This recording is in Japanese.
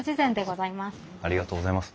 ありがとうございます。